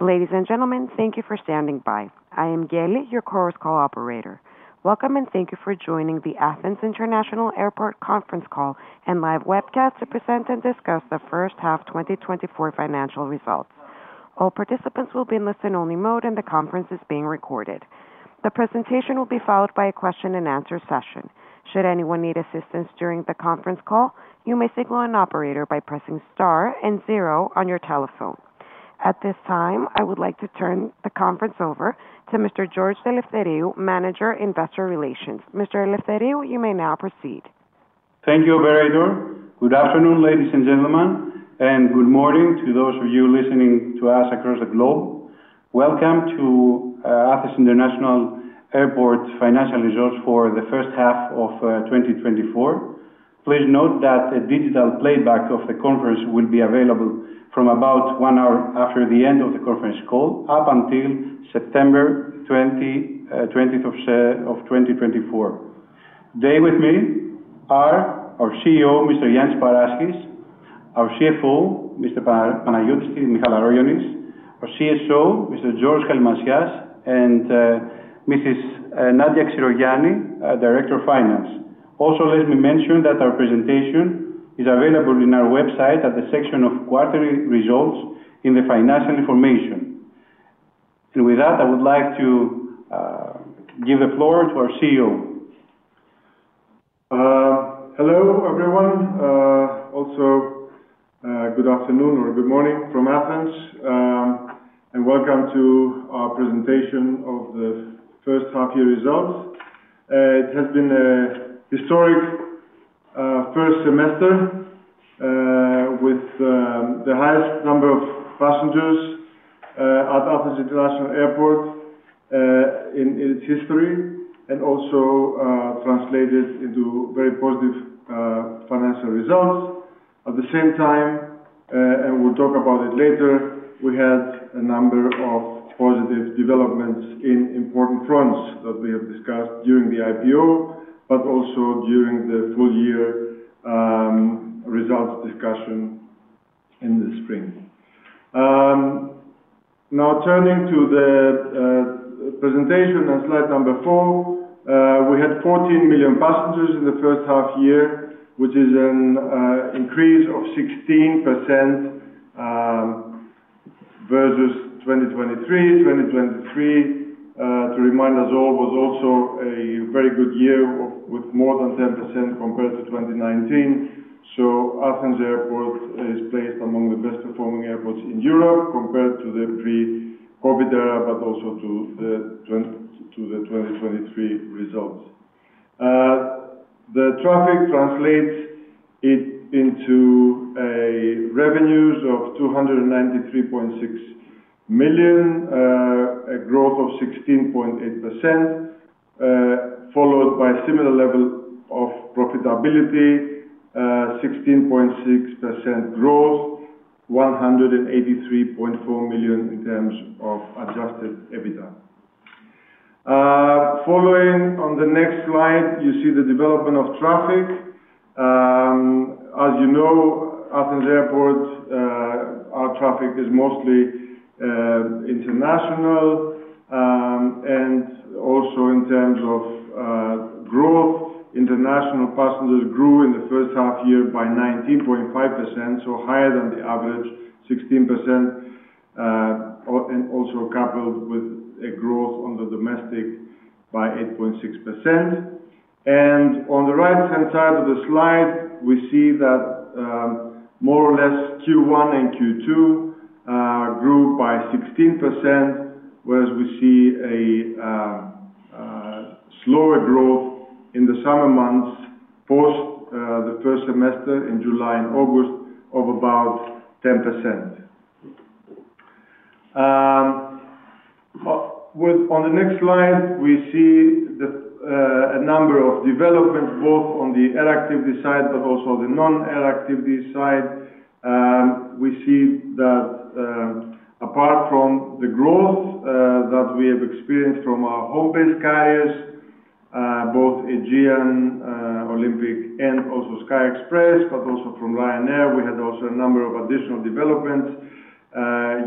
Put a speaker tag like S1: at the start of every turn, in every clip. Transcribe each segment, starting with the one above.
S1: Ladies and gentlemen, thank you for standing by. I am Geli, your Chorus Call operator. Welcome, and thank you for joining the Athens International Airport conference call and live webcast to present and discuss the first half, 2024 financial results. All participants will be in listen-only mode, and the conference is being recorded. The presentation will be followed by a question and answer session. Should anyone need assistance during the conference call, you may signal an operator by pressing star and zero on your telephone. At this time, I would like to turn the conference over to Mr. George Eleftheriou, Manager, Investor Relations. Mr. Eleftheriou, you may now proceed.
S2: Thank you, operator. Good afternoon, ladies and gentlemen, and good morning to those of you listening to us across the globe. Welcome to Athens International Airport financial results for the first half of 2024. Please note that a digital playback of the conference will be available from about one hour after the end of the conference call, up until September 20th, 2024. Today with me are our CEO, Mr. Yiannis Paraschis; our CFO, Mr. Panagiotis Michalarogiannis; our CSO, Mr. George Kallimasias, and Mrs. Nadia Xirogianni, our Director of Finance. Also, let me mention that our presentation is available on our website at the section of quarterly results in the financial information. And with that, I would like to give the floor to our CEO.
S3: Hello, everyone. Also, good afternoon or good morning from Athens, and welcome to our presentation of the first half year results. It has been a historic first semester with the highest number of passengers at Athens International Airport in its history and also translated into very positive financial results. At the same time, and we'll talk about it later, we had a number of positive developments in important fronts that we have discussed during the IPO, but also during the full-year results discussion in the spring. Now, turning to the presentation on slide number four, we had 14 million passengers in the first-half year, which is an increase of 16% versus 2023. 2023, to remind us all, was also a very good year with more than 10% compared to 2019. So Athens Airport is placed among the best performing airports in Europe compared to the pre-COVID era, but also to the 2023 results. The traffic translates it into revenues of 293.6 million, a growth of 16.8%, followed by a similar level of profitability, 16.6% growth, 183.4 million in terms of adjusted EBITDA. Following on the next slide, you see the development of traffic. As you know, Athens Airport, our traffic is mostly international, and also in terms of growth, international passengers grew in the first-half year by 19.5%, so higher than the average 16%, and also coupled with a growth on the domestic by 8.6%. On the right-hand side of the slide, we see that, more or less Q1 and Q2 grew by 16%, whereas we see a slower growth in the summer months, post the first semester in July and August of about 10%. On the next slide, we see a number of developments, both on the air activity side, but also the non-air activity side. We see that, apart from the growth that we have experienced from our home-based carriers, both Aegean, Olympic and also Sky Express, but also from Ryanair, we had also a number of additional developments.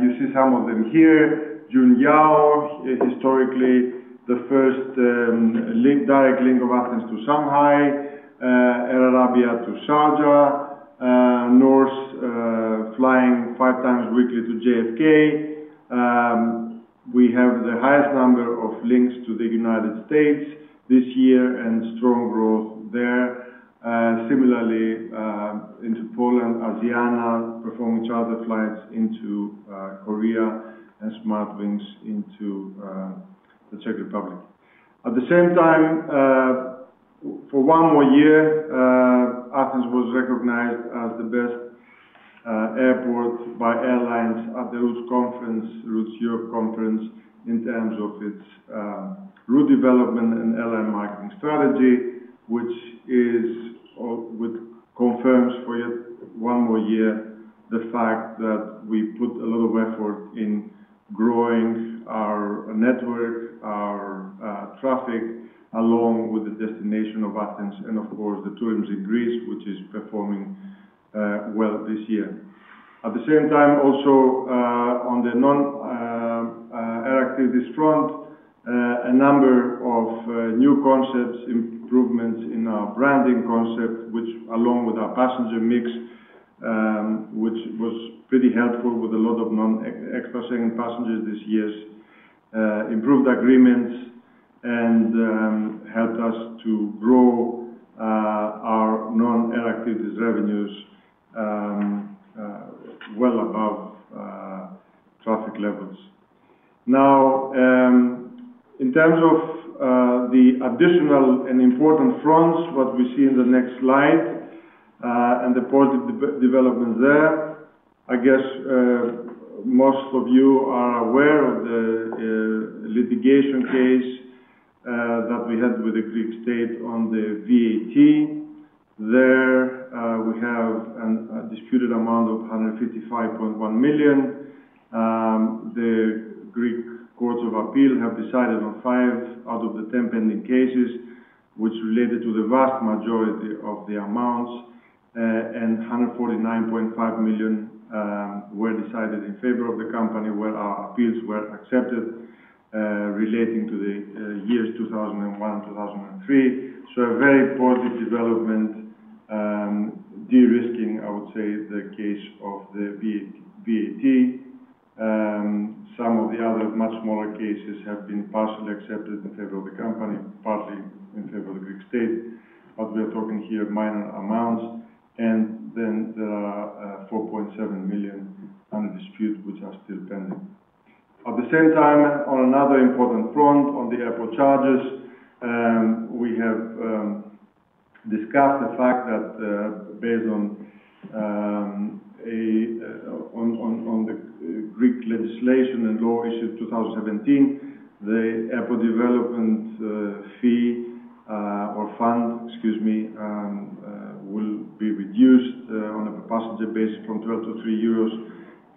S3: You see some of them here. Juneyao is historically the first direct link of Athens to Shanghai, Air Arabia to Sharjah, Norse flying five times weekly to JFK. We have the highest number of links to the United States this year and strong growth there. Similarly, into Poland, Asiana performing charter flights into Korea, and Smartwings into the Czech Republic. At the same time, for one more year, Athens was recognized as the best airport by airlines at the Routes Conference, Routes Europe conference, in terms of its route development and airline marketing strategy, which confirms for yet one more year the fact that we put a lot of effort in our network, our traffic, along with the destination of Athens and of course the tourism in Greece, which is performing well this year. At the same time, also, on the non-air activity front, a number of new concepts, improvements in our branding concept, which along with our passenger mix, which was pretty helpful with a lot of Extra-Schengen passengers this year, improved agreements and, helped us to grow, our non-air activities revenues, well above, traffic levels. Now, in terms of the additional and important fronts, what we see in the next slide, and the positive development there, I guess, most of you are aware of the litigation case that we had with the Greek state on the VAT. There, we have a disputed amount of 155.1 million. The Greek Courts of Appeal have decided on five out of the 10 pending cases, which related to the vast majority of the amounts, and 149.5 million were decided in favor of the company, where our appeals were accepted, relating to the years 2021 and 2023. So a very positive development, de-risking, I would say, the case of the VAT. Some of the other much smaller cases have been partially accepted in favor of the company, partly in favor of the Greek state, but we are talking here minor amounts. And then there are 4.7 million under dispute, which are still pending. At the same time, on another important front, on the airport charges, we have discussed the fact that, based on the Greek legislation and law issued 2017, the airport development fee or fund, excuse me, will be reduced on a passenger basis from 12 to 3 euros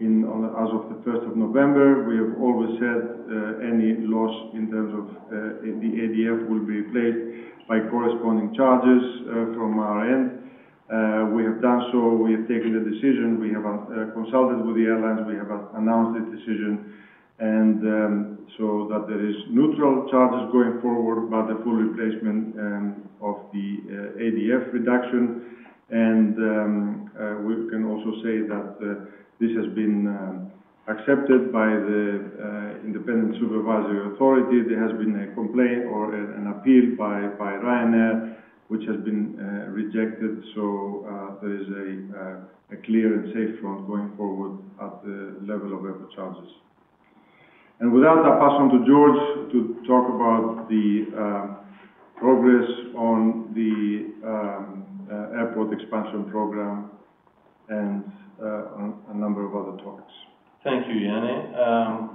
S3: as of the 1st of November. We have always said any loss in terms of in the ADF will be replaced by corresponding charges from our end. We have done so, we have taken the decision, we have consulted with the airlines, we have announced the decision, and so that there is neutral charges going forward, but a full replacement of the ADF reduction. We can also say that this has been accepted by the independent supervisory authority. There has been a complaint or an appeal by Ryanair, which has been rejected. There is a clear and safe front going forward at the level of airport charges. With that, I pass on to George to talk about the progress on the airport expansion program and a number of other topics.
S4: Thank you, Yiannis.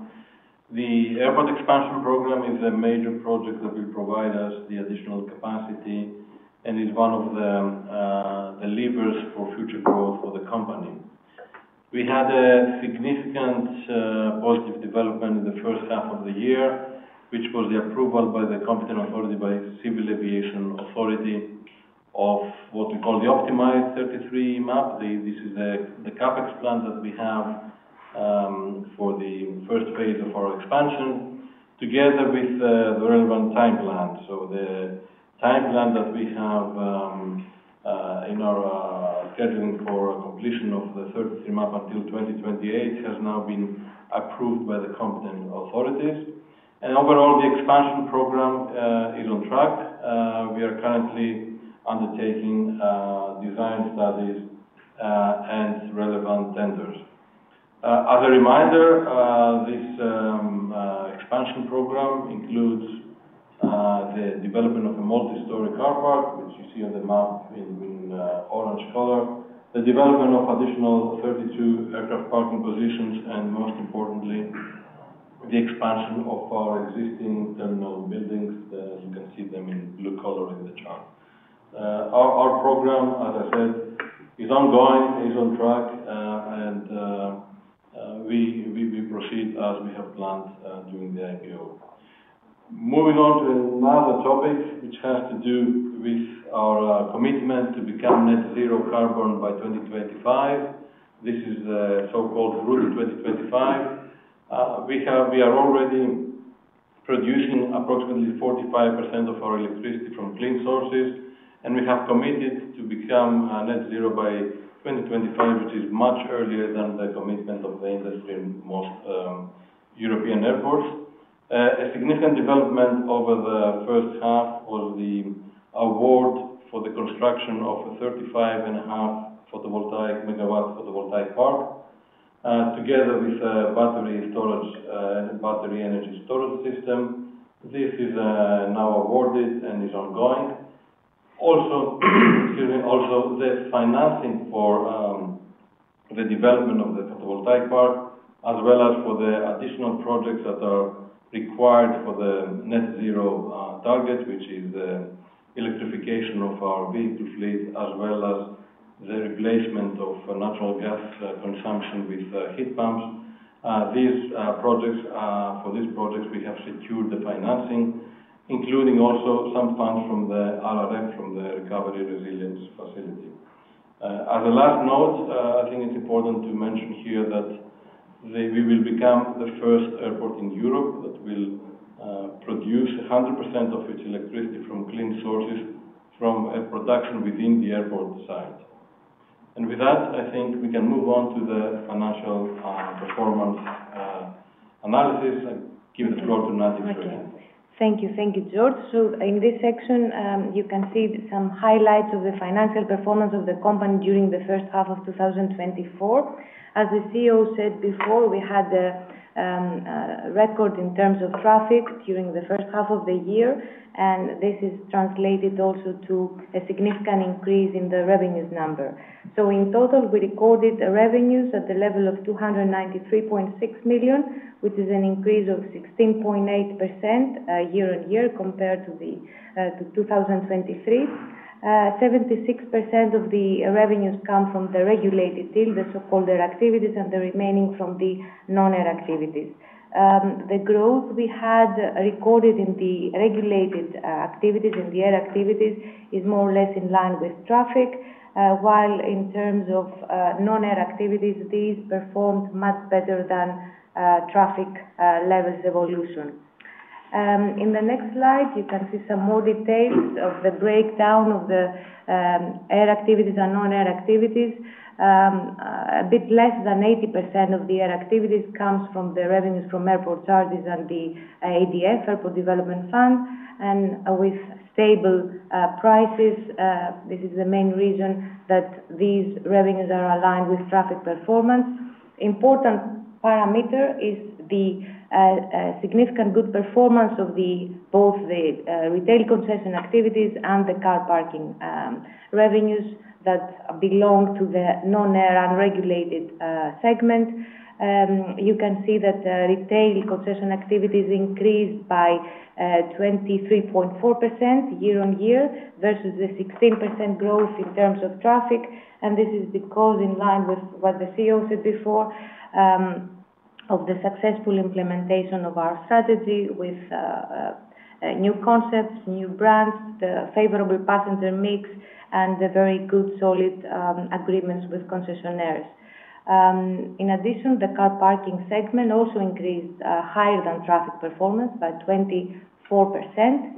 S4: The airport expansion program is a major project that will provide us the additional capacity and is one of the, the levers for future growth for the company. We had a significant, positive development in the first half of the year, which was the approval by the competent authority, by Civil Aviation Authority, of what we call the Optimized 33MAP. This is the, the CapEx plan that we have, for the first phase of our expansion, together with the relevant timeline. So the timeline that we have, in our, scheduling for completion of the 33MAP until 2028, has now been approved by the competent authorities. And overall, the expansion program, is on track. We are currently undertaking, design studies, and relevant tenders. As a reminder, this expansion program includes the development of a multi-story car park, which you see on the map in orange color. The development of additional 32 aircraft parking positions, and most importantly, the expansion of our existing terminal buildings, as you can see them in blue color in the chart. Our program, as I said, is ongoing, is on track, and we will proceed as we have planned during the IPO. Moving on to another topic, which has to do with our commitment to become net zero carbon by 2025. This is the so-called Route 2025. We are already producing approximately 45% of our electricity from clean sources, and we have committed to become net zero by 2025, which is much earlier than the commitment of the industry in most European airports. A significant development over the first half was the award for the construction of a 35.5 MW photovoltaic park, together with a battery energy storage system. This is now awarded and is ongoing. Also, the financing for the development of the photovoltaic park, as well as for the additional projects that are required for the net zero target, which is the electrification of our vehicle fleet, as well as the replacement of natural gas consumption with heat pumps. These projects, for these projects, we have secured the financing, including also some funds from the RRF, from the Recovery Resilience Facility. As a last note, I think it's important to mention here that we will become the first airport in Europe that will produce 100% of its electricity from clean sources, from a production within the airport site. With that, I think we can move on to the financial performance analysis, and give the floor to Nadia, please.
S5: Thank you. Thank you, George. So in this section, you can see some highlights of the financial performance of the company during the first half of 2024. As the CEO said before, we had the record in terms of traffic during the first half of the year, and this is translated also to a significant increase in the revenues number. So in total, we recorded the revenues at the level of 293.6 million, which is an increase of 16.8%, year on year, compared to 2023. 76% of the revenues come from the regulated deal, the so-called air activities, and the remaining from the non-air activities. The growth we had recorded in the regulated activities, in the air activities, is more or less in line with traffic. While in terms of non-air activities, these performed much better than traffic levels evolution. In the next slide, you can see some more details of the breakdown of the air activities and non-air activities. A bit less than 80% of the air activities comes from the revenues from airport charges and the ADF, Airport Development Fee, and with stable prices, this is the main reason that these revenues are aligned with traffic performance. Important parameter is the significant good performance of both the retail concession activities and the car parking revenues that belong to the non-air unregulated segment. You can see that the retail concession activities increased by 23.4% year on year, versus the 16% growth in terms of traffic. And this is because in line with what the CEO said before, of the successful implementation of our strategy with new concepts, new brands, the favorable passenger mix, and the very good, solid agreements with concessionaires. In addition, the car parking segment also increased higher than traffic performance by 24%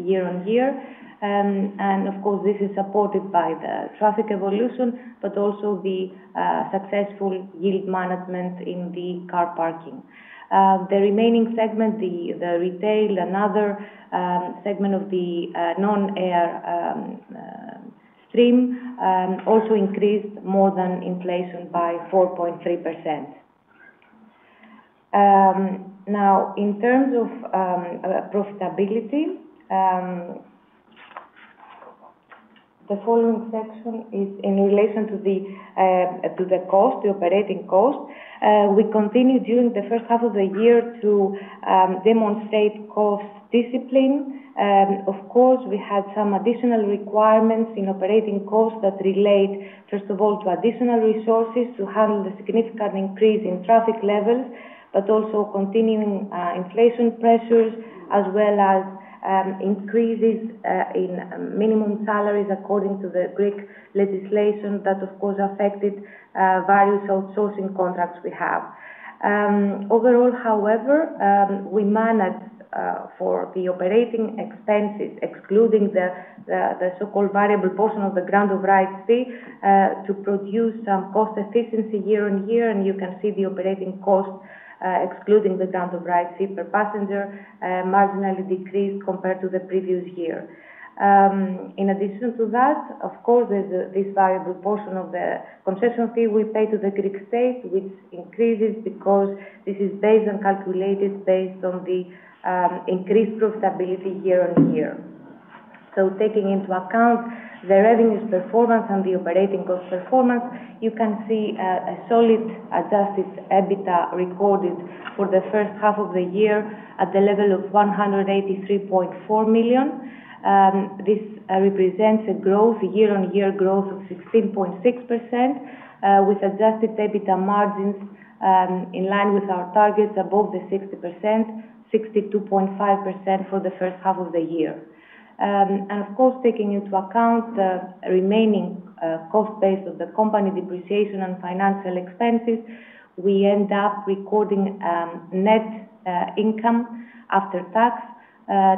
S5: year on year. And of course, this is supported by the traffic evolution, but also the successful yield management in the car parking. The remaining segment, the retail, another segment of the non-air stream, also increased more than inflation by 4.3%. Now, in terms of profitability, the following section is in relation to the cost, the operating cost. We continued during the first half of the year to demonstrate cost discipline. Of course, we had some additional requirements in operating costs that relate, first of all, to additional resources to handle the significant increase in traffic levels, but also continuing inflation pressures, as well as increases in minimum salaries, according to the Greek legislation that, of course, affected various outsourcing contracts we have. Overall, however, we managed for the operating expenses, excluding the so-called variable portion of the grant of rights fee, to produce some cost efficiency year on year, and you can see the operating cost, excluding the grant of rights fee per passenger, marginally decreased compared to the previous year. In addition to that, of course, there's this variable portion of the concession fee we pay to the Greek state, which increases because this is based on, calculated based on the increased profitability year on year. Taking into account the revenues performance and the operating cost performance, you can see a solid adjusted EBITDA recorded for the first half of the year at the level of 183.4 million. This represents a growth, a year on year growth of 16.6%, with Adjusted EBITDA margins in line with our targets above the 60%, 62.5% for the first half of the year and of course, taking into account the remaining cost base of the company depreciation and financial expenses, we end up recording net income after tax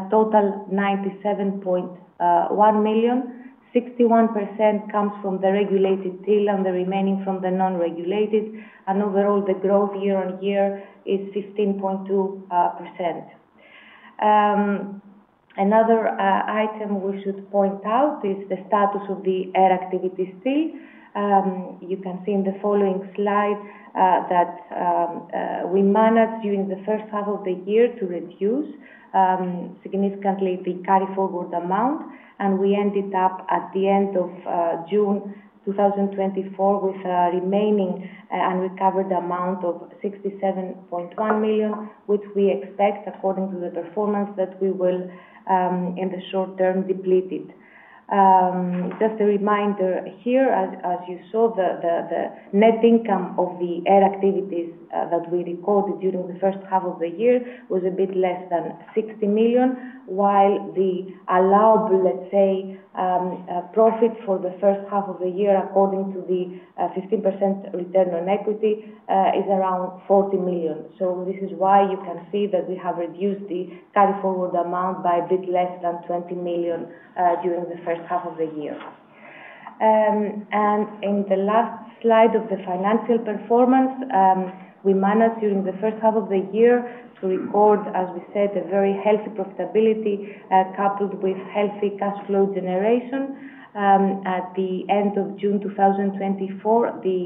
S5: total 97.1 million. 61% comes from the regulated deal and the remaining from the non-regulated, and overall, the growth year on year is 15.2%. Another item we should point out is the status of the Airport Development Fee. You can see in the following slide that we managed during the first half of the year to reduce significantly the carry forward amount, and we ended up at the end of June 2024 with a remaining and recovered amount of 67.1 million, which we expect, according to the performance, that we will in the short term deplete it. Just a reminder here, as you saw, the net income of the air activities that we recorded during the first half of the year was a bit less than 60 million, while the allowed, let's say, profit for the first half of the year, according to the 15% return on equity, is around 40 million. So this is why you can see that we have reduced the carry-forward amount by a bit less than 20 million during the first half of the year. And in the last slide of the financial performance, we managed during the first half of the year to record, as we said, a very healthy profitability coupled with healthy cash flow generation. At the end of June 2024, the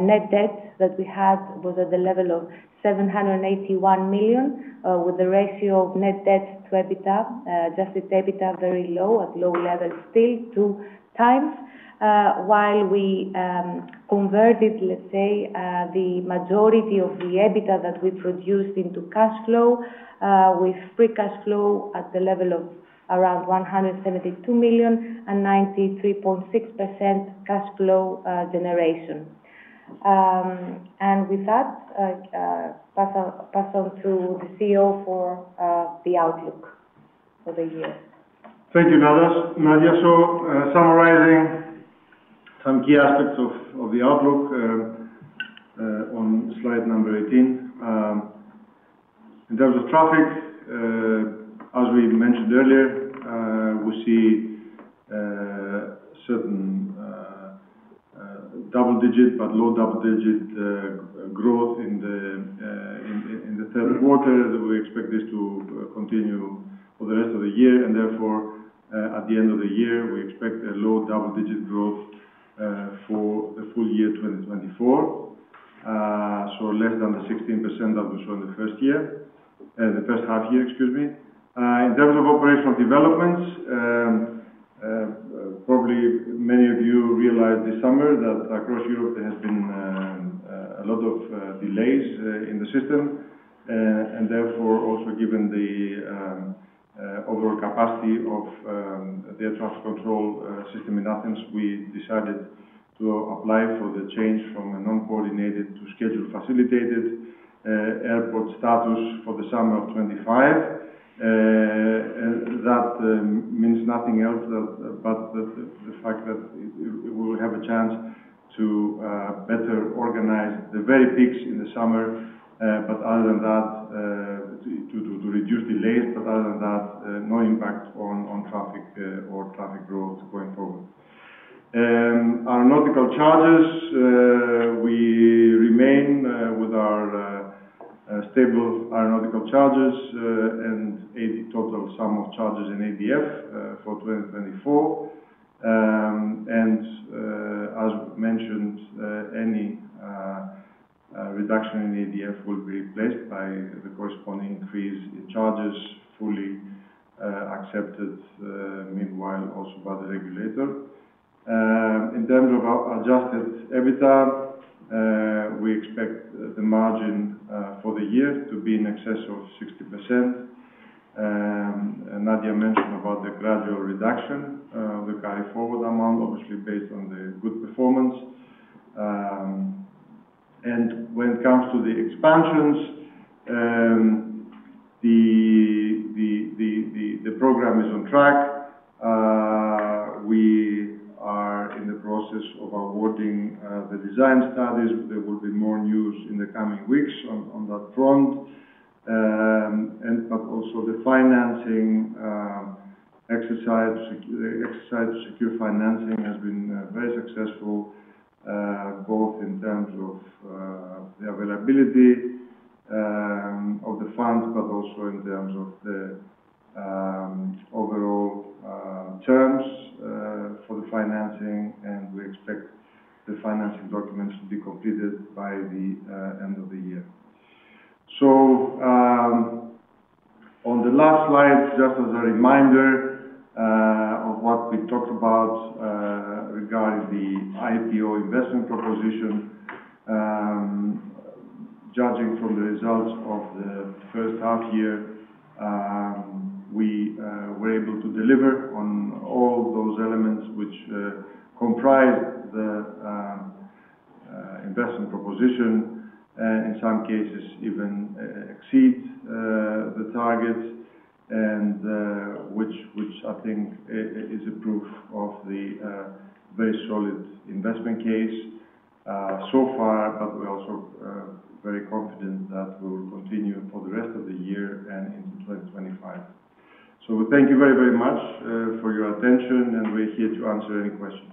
S5: net debt that we had was at the level of 781 million with the ratio of net debt to adjusted EBITDA very low, at low levels, still two times. While we converted, let's say, the majority of the EBITDA that we produced into cash flow, with free cash flow at the level of around 172 million and 93.6% cash flow generation. And with that, pass on to the CEO for the outlook for the year.
S3: Thank you, Nadia. Nadia, so, summarizing some key aspects of the outlook on slide number 18. In terms of traffic, as we mentioned earlier, we see certain double digit, but low double digit, growth in the third quarter. We expect this to continue for the rest of the year, and therefore, at the end of the year, we expect a low double digit growth for the full year, 2024, so less than the 16% that we saw in the first year, the first -half year, excuse me. In terms of operational developments, probably many of you realized this summer that across Europe there has been a lot of delays in the system, and therefore, also given the overall capacity of the air traffic control system in Athens, we decided to apply for the change from a non-coordinated to schedule facilitated airport status for the summer of 2025. That means nothing else but the fact that we will have a chance to better organize the very peaks in the summer, but other than that, to reduce delays, but other than that, no impact on traffic or traffic growth going forward. Our aeronautical charges, we remain with our stable aeronautical charges, and 80 total sum of charges in ADF for 2024. As mentioned, any reduction in ADF will be replaced by the corresponding increase in charges fully accepted, meanwhile, also by the regulator. In terms of our adjusted EBITDA, we expect the margin for the year to be in excess of 60%. Nadia mentioned about the gradual reduction of the carry-forward amount, obviously based on the good performance. When it comes to the expansions, the program is on track. We are in the process of awarding the design studies. There will be more news in the coming weeks on that front. And but also the financing exercise to secure financing has been very successful, both in terms of the availability of the funds, but also in terms of the overall terms for the financing. We expect the financing documents to be completed by the end of the year. On the last slide, just as a reminder of what we talked about regarding the IPO investment proposition. Judging from the results of the first-half year, we were able to deliver on all those elements which comprise the investment proposition, in some cases even exceed the target, and which I think is a proof of the very solid investment case so far, but we're also very confident that will continue for the rest of the year and in 2025. So thank you very, very much for your attention, and we're here to answer any questions.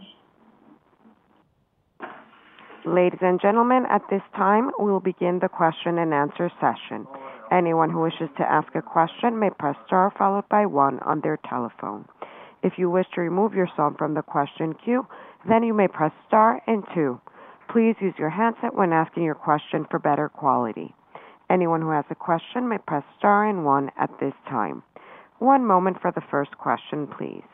S1: Ladies and gentlemen, at this time, we will begin the question and answer session. Anyone who wishes to ask a question may press star, followed by one on their telephone. If you wish to remove yourself from the question queue, then you may press star and two. Please use your handset when asking your question for better quality. Anyone who has a question may press star and one at this time. One moment for the first question, please.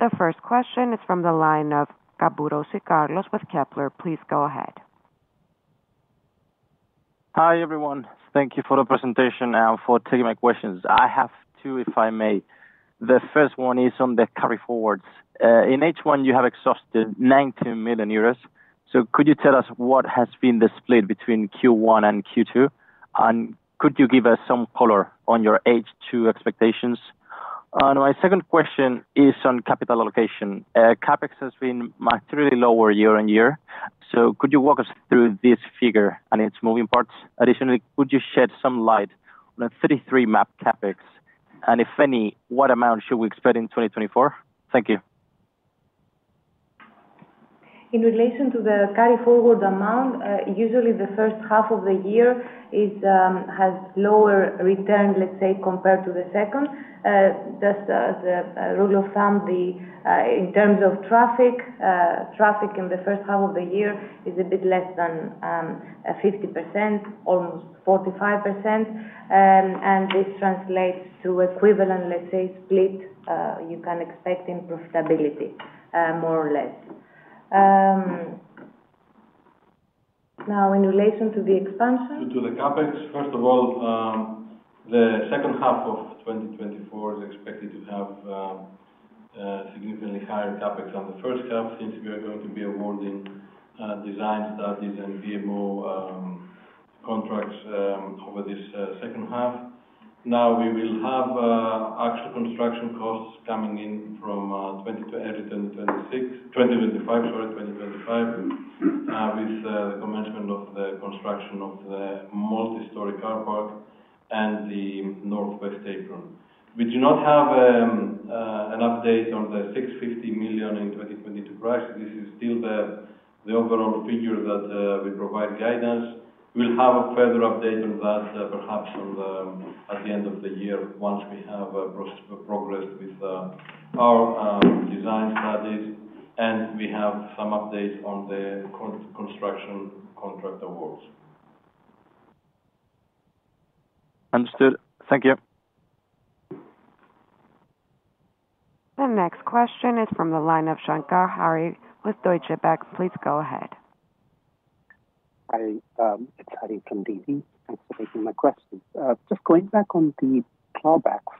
S1: The first question is from the line of Caburrasi Carlos with Kepler. Please go ahead.
S6: Hi, everyone. Thank you for the presentation and for taking my questions. I have two, if I may. The first one is on the carry forwards. In H1, you have exhausted 90 million euros. So could you tell us what has been the split between Q1 and Q2? And could you give us some color on your H2 expectations? And my second question is on capital allocation. CapEx has been materially lower year on year, so could you walk us through this figure and its moving parts? Additionally, could you shed some light on a 33MAP CapEx, and if any, what amount should we expect in 2024? Thank you.
S5: In relation to the carry-forward amount, usually the first half of the year has lower return, let's say, compared to the second. Just the rule of thumb in terms of traffic in the first half of the year is a bit less than 50%, almost 45%. And this translates to equivalent, let's say, split you can expect in profitability more or less. Now in relation to the expansion?
S3: To the CapEx, first of all, the second half of 2024 is expected to have significantly higher CapEx on the first half, since we are going to be awarding design studies and PMO contracts over this second half. Now, we will have actual construction costs coming in from 2025 with the commencement of the construction of the multi-story car park and the northwest apron. We do not have an update on the 650 million in 2022 price. This is still the overall figure that we provide guidance. We'll have a further update on that, perhaps on the, at the end of the year, once we have progress with our design studies, and we have some updates on the construction contract awards.
S6: Understood. Thank you.
S1: The next question is from the line of Harishankar with Deutsche Bank. Please go ahead.
S7: It's Hari from DB. Thanks for taking my questions. Just going back on the clawbacks,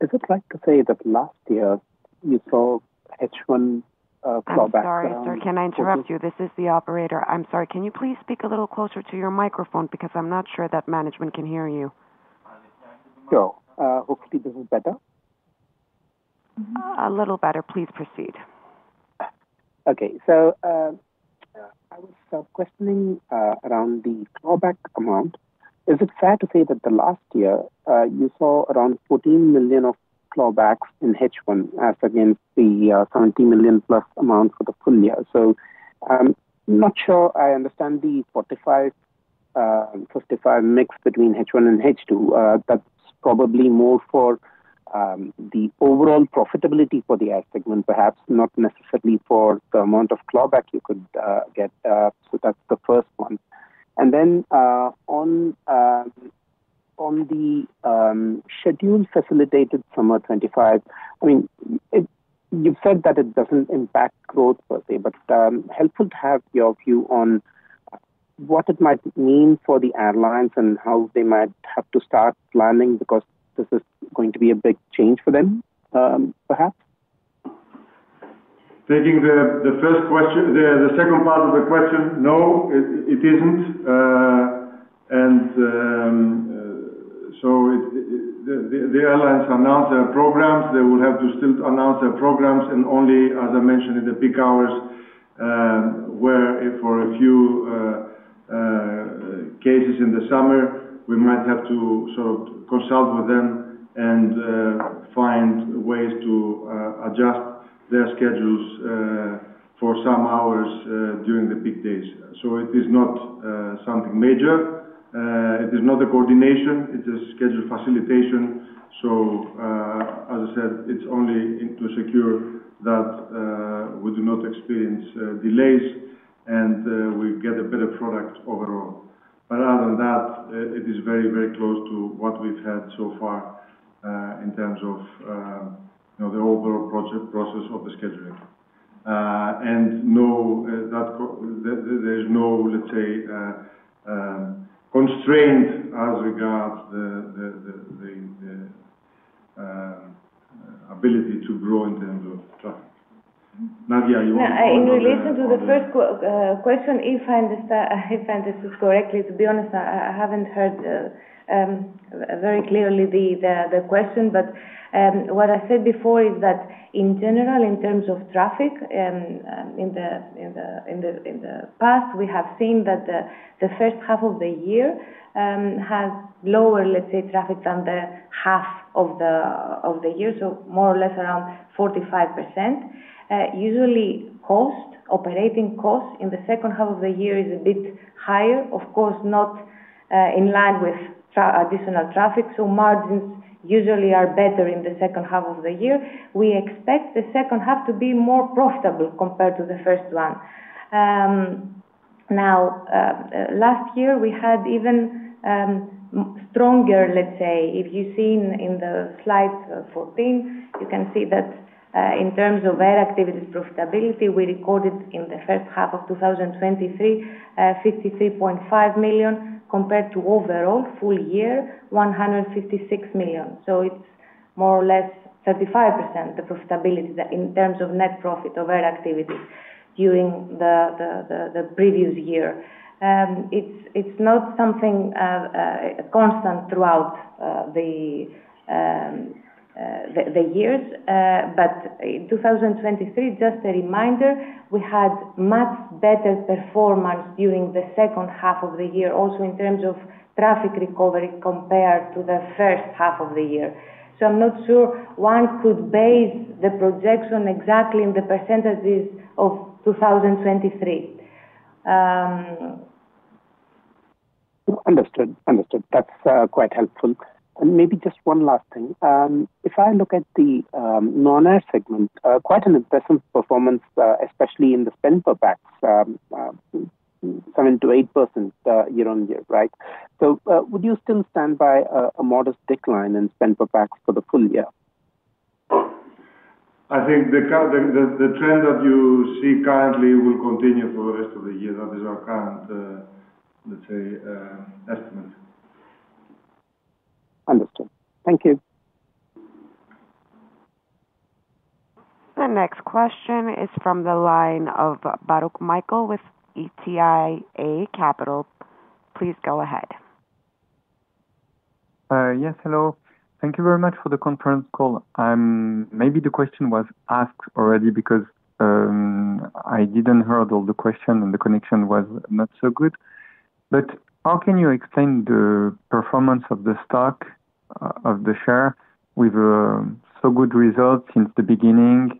S7: is it like to say that last year you saw H1 clawback-
S1: I'm sorry, sir, can I interrupt you? This is the operator. I'm sorry, can you please speak a little closer to your microphone? Because I'm not sure that management can hear you.
S7: Sure. Hopefully this is better.
S1: A little better. Please proceed.
S7: Okay. So, I was questioning around the clawback amount. Is it fair to say that the last year, you saw around 14 million of clawbacks in H1, as against the 70 million plus amount for the full year? So I'm not sure I understand the 45-55 mix between H1 and H2. That's probably more for the overall profitability for the S segment, perhaps not necessarily for the amount of clawback you could get. So that's the first one. And then, on the schedule facilitated summer 2025, I mean, you've said that it doesn't impact growth per se, but helpful to have your view on what it might mean for the airlines and how they might have to start planning, because this is going to be a big change for them, perhaps?
S3: Taking the first question, the second part of the question, no, it isn't. And so, the airlines announce their programs, they will have to still announce their programs, and only, as I mentioned, in the peak hours, where for a few cases in the summer, we might have to sort of consult with them and find ways to adjust their schedules for some hours during the peak days. So it is not something major. It is not a coordination, it's a schedule facilitation. So, as I said, it's only in to secure that we do not experience delays and we get a better product overall. But other than that, it is very, very close to what we've had so far, in terms of, you know, the overall project process of the scheduling. And no, that there, there's no, let's say, constraint as regards the ability to grow in terms of traffic. Nadia, you want to-
S5: In relation to the first question, if I understand this correctly, to be honest, I haven't heard very clearly the question. But what I said before is that in general, in terms of traffic, in the past, we have seen that the first half of the year has lower, let's say, traffic than the half of the year, so more or less around 45%. Usually operating costs in the second half of the year is a bit higher, of course, not in line with additional traffic, so margins usually are better in the second half of the year. We expect the second half to be more profitable compared to the first one. Now, last year we had even stronger, let's say, if you've seen in the slide 14, you can see that, in terms of air activity profitability, we recorded in the first half of 2023, 53.5 million, compared to overall full year, 156 million. So it's more or less 35% the profitability that in terms of net profit of air activity during the previous year. It's not something constant throughout the years. But in 2023, just a reminder, we had much better performance during the second half of the year, also in terms of traffic recovery compared to the first half of the year. So I'm not sure one could base the projection exactly in the percentages of 2023.
S7: Understood. Understood. That's quite helpful, and maybe just one last thing. If I look at the non-air segment, quite an impressive performance, especially in the spend per pax, 7%-8% year on year, right? So would you still stand by a modest decline in spend per pax for the full year?
S3: I think the current trend that you see currently will continue for the rest of the year. That is our current, let's say, estimate.
S7: Understood. Thank you.
S1: The next question is from the line of Baruch Michael with ETIA Capital. Please go ahead.
S8: Yes, hello. Thank you very much for the conference call. Maybe the question was asked already because I didn't heard all the question and the connection was not so good. But how can you explain the performance of the stock, of the share with so good results since the beginning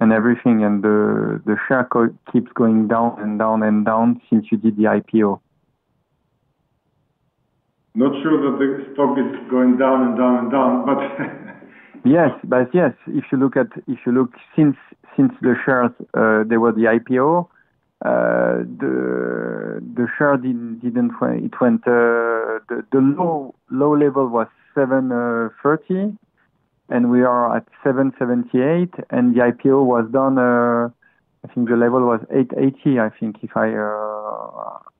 S8: and everything, and the share price keeps going down and down and down since you did the IPO?
S3: Not sure that the stock is going down and down and down, but
S8: Yes. But yes, if you look since the shares there were the IPO, the share didn't went. It went, the low level was 7.30, and we are at 7.78, and the IPO was done, I think the level was 8.80. I think if I,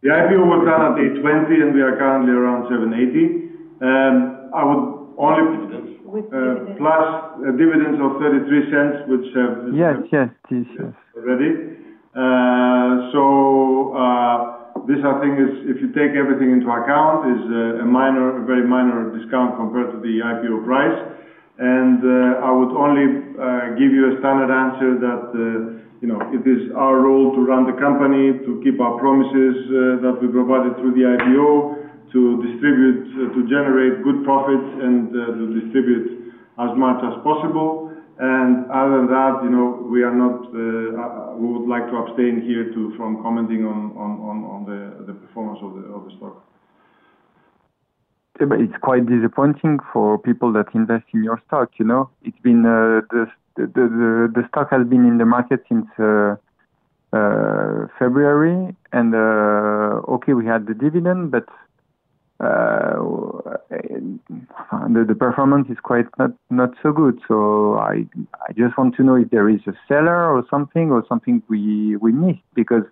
S3: The IPO was done at 8.20, and we are currently around 7.80. I would only-
S5: With dividends.
S3: Plus dividends of 0.33, which have-
S8: Yes, yes, please, yes.
S3: Already. This I think is if you take everything into account, is a minor, a very minor discount compared to the IPO price. And I would only give you a standard answer that you know, it is our role to run the company, to keep our promises that we provided through the IPO, to distribute to generate good profits and to distribute as much as possible. And other than that, you know, we would like to abstain here, too, from commenting on the performance of the stock.
S8: Yeah, but it's quite disappointing for people that invest in your stock, you know? It's been, the stock has been in the market since February, and okay, we had the dividend, but the performance is quite not so good. So I just want to know if there is a seller or something, or something we missed. Because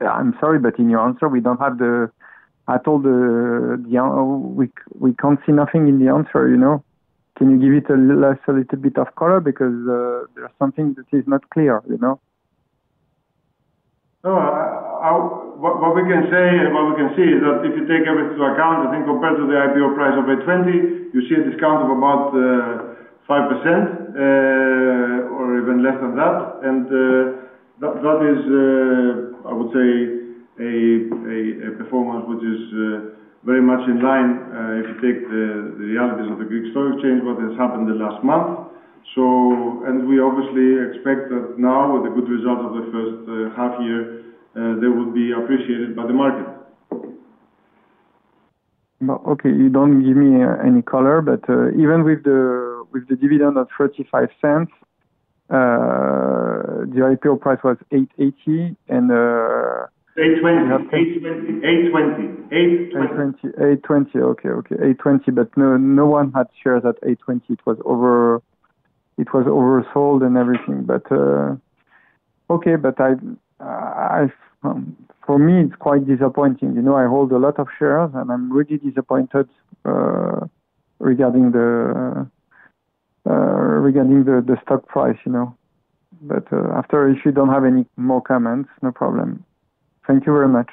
S8: I'm sorry, but in your answer, we don't have the... yeah, we can't see nothing in the answer, you know? Can you give it a little bit of color? Because there are some things that is not clear, you know.
S3: No, what we can say and what we can see is that if you take everything into account, I think compared to the IPO price of 8.20, you see a discount of about 5% or even less than that. And that is, I would say, a performance which is very much in line if you take the realities of the Greek stock exchange, what has happened in the last month. So. And we obviously expect that now, with the good results of the first half year, they will be appreciated by the market.
S8: No. Okay, you don't give me any color, but even with the dividend of 0.35, the IPO price was 8.80, and-
S3: 8:20.
S8: 8.20. 8.20, okay. Okay, EUR 8.20, but no, no one had shares at 8.20. It was over, it was oversold and everything. But, okay, but I, I, for me, it's quite disappointing. You know, I hold a lot of shares, and I'm really disappointed, regarding the, regarding the, the stock price, you know. But, after, if you don't have any more comments, no problem. Thank you very much.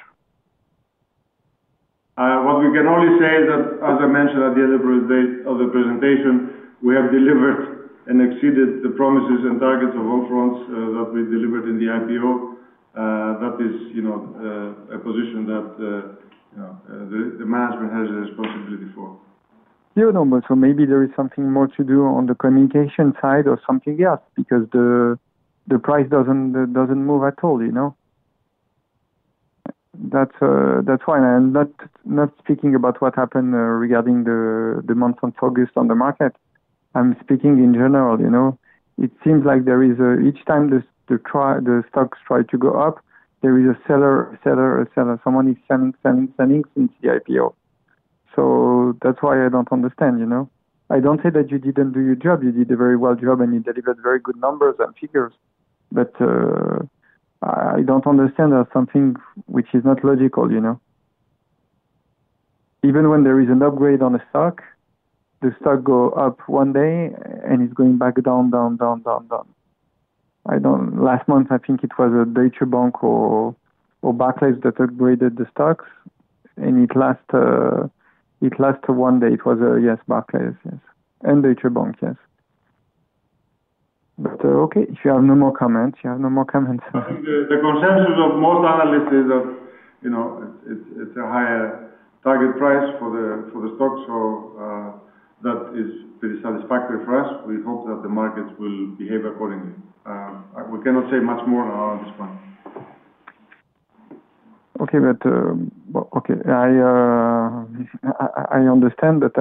S3: What we can only say is that, as I mentioned at the other part of the presentation, we have delivered and exceeded the promises and targets on all fronts, that we delivered in the IPO. That is, you know, a position that the management has the responsibility for.
S8: Yeah, I know, but so maybe there is something more to do on the communication side or something else, because the price doesn't move at all, you know? That's fine. I'm not speaking about what happened regarding the month of August on the market. I'm speaking in general, you know. It seems like there is a... Each time the stocks try to go up, there is a seller, someone is selling since the IPO. So that's why I don't understand, you know? I don't say that you didn't do your job. You did a very well job, and you delivered very good numbers and figures. But I don't understand. There are some things which is not logical, you know? Even when there is an upgrade on the stock, the stock go up one day, and it's going back down, down, down, down, down. Last month, I think it was a Deutsche Bank or Barclays that upgraded the stocks, and it last one day. It was, yes, Barclays, yes, and Deutsche Bank, yes. But, okay, if you have no more comments, you have no more comments.
S3: I think the consensus of most analysts is that, you know, it's a higher target price for the stock, so that is pretty satisfactory for us. We hope that the markets will behave accordingly. We cannot say much more now on this point.
S8: Okay, but, well, okay. I understand, but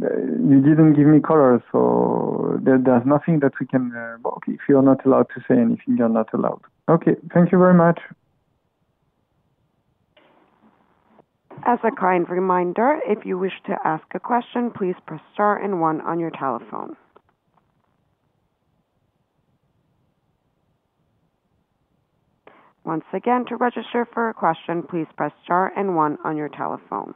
S8: you didn't give me color, so there's nothing that we can, well, if you're not allowed to say anything, you're not allowed. Okay, thank you very much.
S1: As a kind reminder, if you wish to ask a question, please press star and one on your telephone. Once again, to register for a question, please press star and one on your telephone.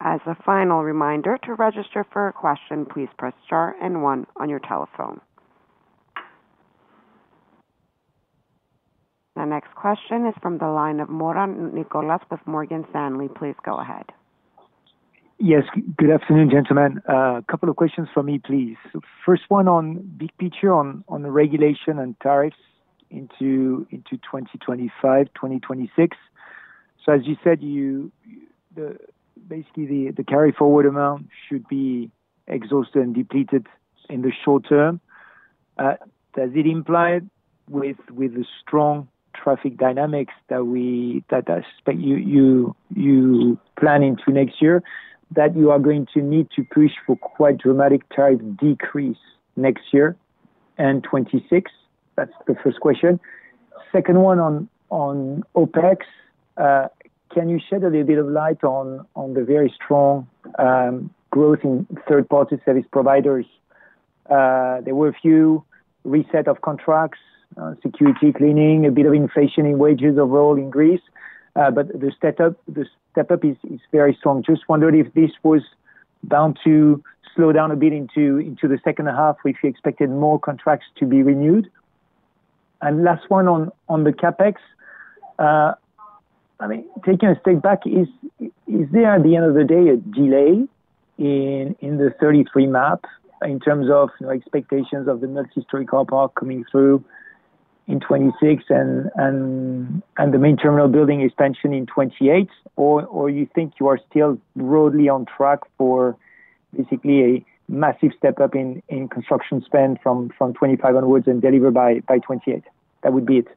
S1: As a final reminder, to register for a question, please press star and one on your telephone. The next question is from the line of Mora Nicolas with Morgan Stanley. Please go ahead.
S9: Yes, good afternoon, gentlemen. A couple of questions for me, please. First one on big picture on the regulation and tariffs into 2025, 2026. So as you said, basically, the carry-forward amount should be exhausted and depleted in the short term. Does it imply with the strong traffic dynamics that I suspect you plan into next year, that you are going to need to push for quite dramatic tariff decrease next year and 2026? That's the first question. Second one on OpEx. Can you shed a little bit of light on the very strong growth in third-party service providers? There were a few reset of contracts, security, cleaning, a bit of inflation in wages overall in Greece, but the step up is very strong. Just wondered if this was bound to slow down a bit into the second half, if you expected more contracts to be renewed? And last one on the CapEx. I mean, taking a step back, is there, at the end of the day, a delay in the 33MAP in terms of expectations of the multi-story car park coming through in 2026 and the main terminal building expansion in 2028, or you think you are still broadly on track for basically a massive step up in construction spend from 2025 onwards and deliver by 2028? That would be it.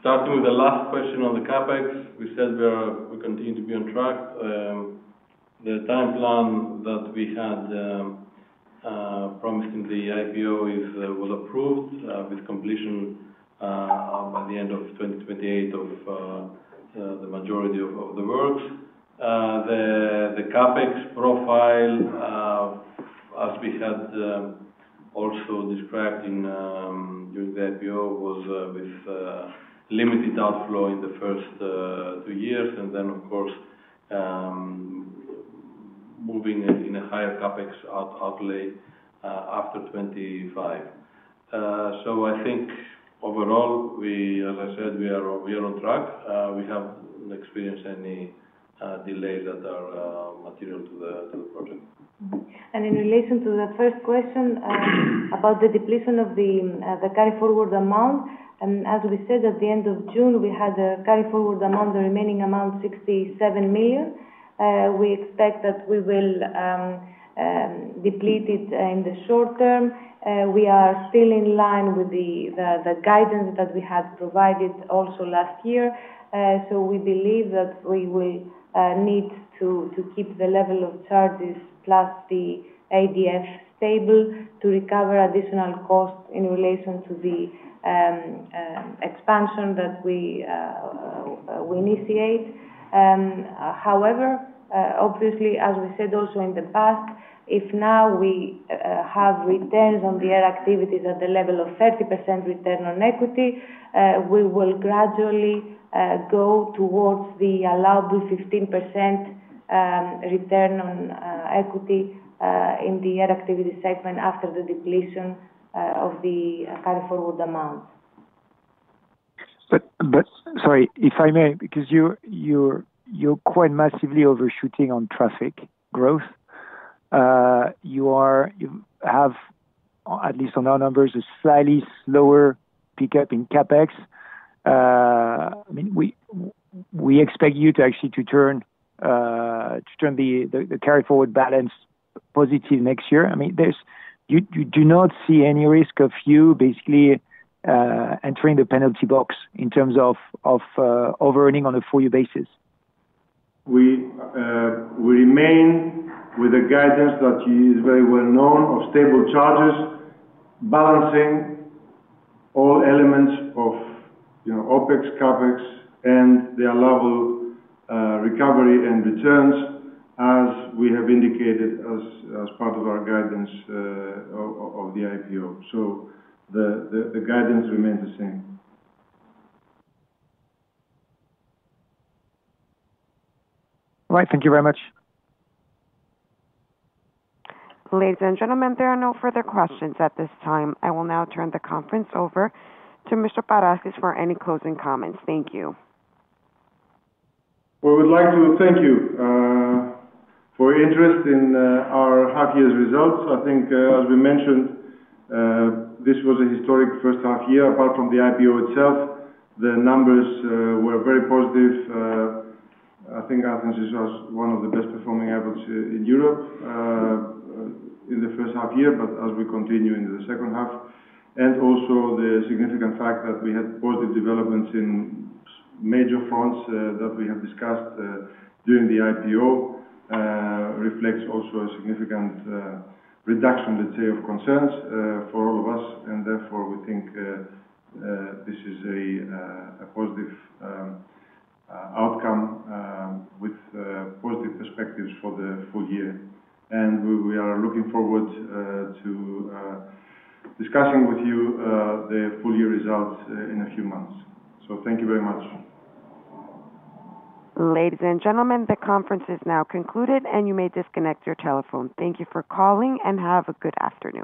S3: Starting with the last question on the CapEx, we said we are, we continue to be on track. The time plan that we had from the IPO was approved with completion by the end of 2028 of the majority of the works. The CapEx profile as we had also described during the IPO was with limited outflow in the first two years, and then, of course, moving in a higher CapEx outlay after 2025, so I think overall, we, as I said, we are on track. We haven't experienced any delays that are material to the project.
S5: And in relation to the first question, about the depletion of the carry-forward amount, and as we said, at the end of June, we had a carry-forward amount, the remaining amount, 67 million. We expect that we will deplete it in the short term. We are still in line with the guidance that we had provided also last year, so we believe that we will need to keep the level of charges plus the ADF stable to recover additional costs in relation to the expansion that we initiate. However, obviously, as we said also in the past, if now we have returns on the air activities at the level of 30% return on equity, we will gradually go towards the allowable 15% return on equity in the air activity segment after the depletion of the carry-forward amount.
S9: Sorry, if I may, because you're quite massively overshooting on traffic growth. You have, at least on our numbers, a slightly lower pickup in CapEx. I mean, we expect you to actually turn the carry-forward balance positive next year. I mean, there's... Do you not see any risk of you basically entering the penalty box in terms of overearning on a full year basis?
S3: We remain with the guidance that is very well known of stable charges, balancing all elements of, you know, OpEx, CapEx, and their level, recovery and returns, as we have indicated as part of our guidance, of the IPO. So the guidance remains the same.
S9: All right. Thank you very much.
S1: Ladies and gentlemen, there are no further questions at this time. I will now turn the conference over to Mr. Paraschis for any closing comments. Thank you.
S3: We would like to thank you for your interest in our half year results. I think, as we mentioned, this was a historic first half year, apart from the IPO itself. The numbers were very positive. I think Athens is just one of the best performing airports in Europe, in the first half year, but as we continue into the second half, and also the significant fact that we had positive developments in major fronts, that we have discussed during the IPO, reflects also a significant reduction, let's say, of concerns for all of us, and therefore, we think this is a positive outcome with positive perspectives for the full year. We are looking forward to discussing with you the full year results in a few months. Thank you very much.
S1: Ladies and gentlemen, the conference is now concluded, and you may disconnect your telephone. Thank you for calling, and have a good afternoon.